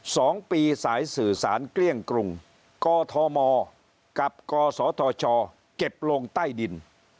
สองปีสายสื่อสารเกลี้ยงกรุงกธมกับกศธชเก็บลงใต้ดิน